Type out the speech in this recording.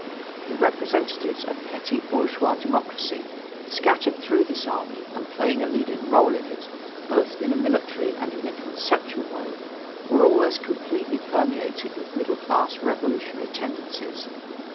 The representatives of petty bourgeois democracy, scattered through this army and playing a leading role in it, both in a military and in a conceptual way, were almost completely permeated with middle class revolutionary tendencies.